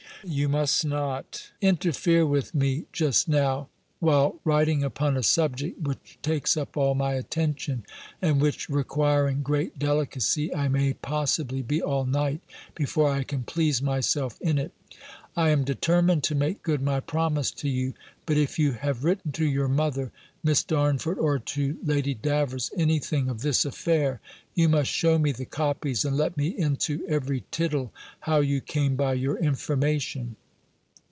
"You must not interfere with me just now, while writing upon a subject which takes up all my attention; and which, requiring great delicacy, I may, possibly, be all night before I can please myself in it. "I am determined to make good my promise to you. But if you have written to your mother, Miss Darnford, or to Lady Davers, anything of this affair, you must shew me the copies, and let me into every tittle how you came by your information.